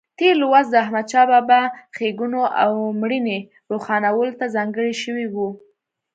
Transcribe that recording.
تېر لوست د احمدشاه بابا ښېګڼو او مړینې روښانولو ته ځانګړی شوی و.